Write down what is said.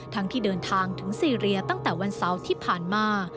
ที่เดินทางถึงซีเรียตั้งแต่วันเสาร์ที่ผ่านมา